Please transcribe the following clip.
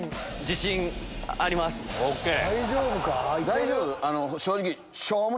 大丈夫？